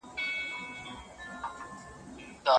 کله چي مې پخواني کتابونه کتل نوي معلومات مې پیدا کړل.